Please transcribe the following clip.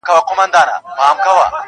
چي خپه راڅخه نه سې په پوښتنه-